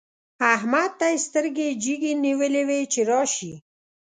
احمد ته يې سترګې جګې نيولې وې چې راشي.